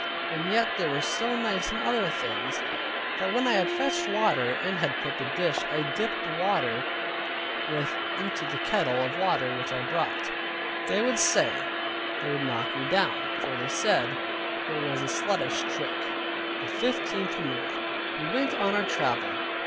And yet they were so nice in other things, that when I had fetched water, and had put the dish I dipped the water with into the kettle of water which I brought, they would say they would knock me down; for they said, it was a sluttish trick. THE FIFTEENTH REMOVE We went on our travel.